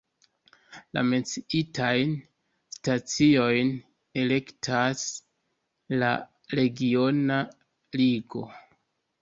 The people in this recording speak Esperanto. La menciitajn staciojn elektas la regiona ligo.